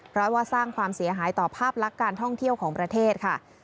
เพราะว่าสร้างความเสียหายต่อภาพลักษณ์การท่องเที่ยวของประเทศค่ะ